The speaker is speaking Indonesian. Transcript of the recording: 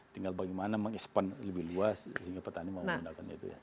tinggal bagaimana mengekspan lebih luas sehingga petani mau menggunakan itu ya